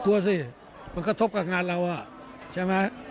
กลัวสิมันกระทบกับงานเราใช่ไหม